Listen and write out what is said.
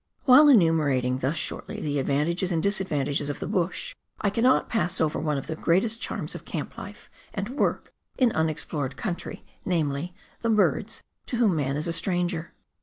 While enumerating thus shortly the advantages and disad vantages of the bush, I cannot pass over one of the greatest charms of camp life and work in unexplored country — namely, the birds to whom man is a stranger.